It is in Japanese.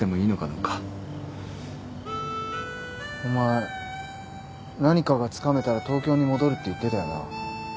お前何かがつかめたら東京に戻るって言ってたよな。